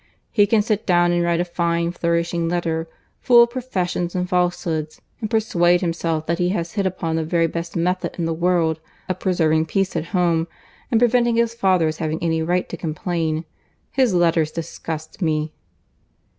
He can sit down and write a fine flourishing letter, full of professions and falsehoods, and persuade himself that he has hit upon the very best method in the world of preserving peace at home and preventing his father's having any right to complain. His letters disgust me."